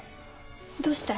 どうしたい？